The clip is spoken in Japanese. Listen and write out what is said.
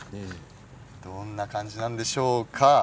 どんな感じなんでしょうか。